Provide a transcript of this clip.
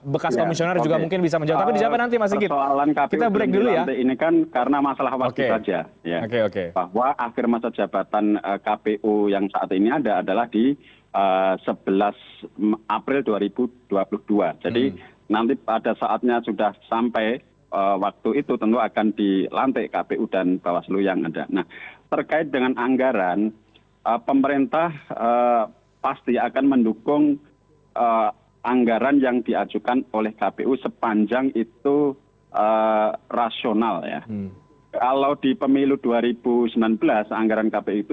bekas komisioner juga mungkin bisa menjawab